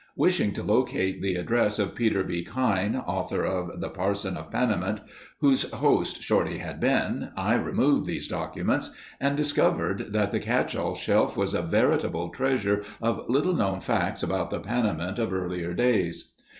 Wishing to locate the address of Peter B. Kyne, author of The Parson of Panamint, whose host Shorty had been, I removed these documents and discovered that the catch all shelf was a veritable treasure of little known facts about the Panamint of earlier days.